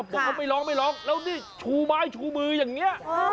บอกว่าไม่ร้องไม่ร้องแล้วนี่ชูไม้ชูมืออย่างนี้